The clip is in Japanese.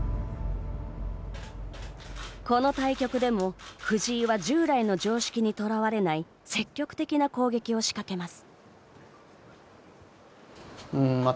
この対局でも藤井は従来の常識にとらわれない積極的な攻撃を仕掛けます。